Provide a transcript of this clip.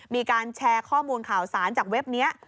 มีการแชร์ข้อมูลข่าวสารจากเว็บนี้